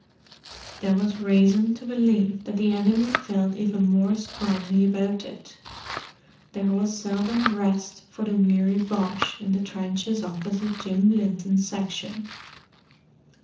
There was reason to believe that the enemy felt even more strongly about it—there was seldom rest for the weary Boche in the trenches opposite Jim Linton's section.